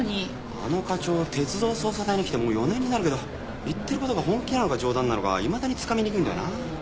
あの課長鉄道捜査隊に来てもう４年になるけど言ってる事が本気なのか冗談なのかいまだにつかみにくいんだよな。